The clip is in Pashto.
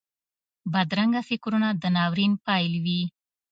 بدرنګه فکرونه د ناورین پیل وي